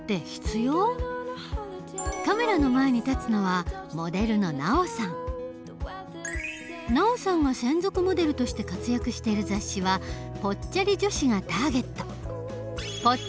カメラの前に立つのはＮＡＯさんが専属モデルとして活躍している雑誌はぽっちゃり女子がターゲット。